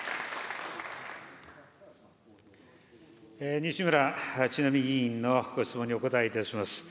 西村智奈美議員のご質問にお答えいたします。